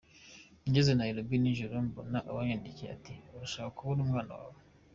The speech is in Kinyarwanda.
Ngeze Nairobi Nijoro mbona aranyandikiye ati urashaka kubona umwana wawe